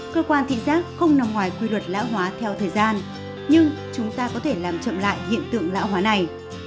cơ quan thị giác không nằm ngoài quy luật lão hóa theo thời gian nhưng chúng ta có thể làm chậm lại hiện tượng lão hóa này